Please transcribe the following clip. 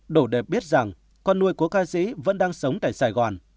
đủ để biết rằng con nuôi của ca sĩ vẫn đang sống tại sài gòn